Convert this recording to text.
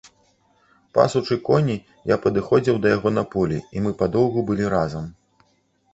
Пасучы коні, я падыходзіў да яго на полі, і мы падоўгу былі разам.